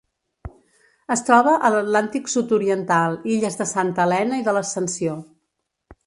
Es troba a l'Atlàntic sud-oriental: illes de Santa Helena i de l'Ascensió.